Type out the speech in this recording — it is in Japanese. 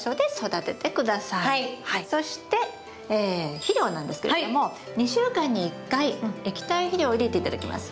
そして肥料なんですけれども２週間に１回液体肥料を入れて頂きます。